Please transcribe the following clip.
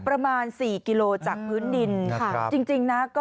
ประมาณ๔กิโลจากพื้นดินจริงนะก็